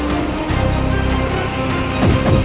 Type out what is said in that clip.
saya akan menjaga kebenaran raden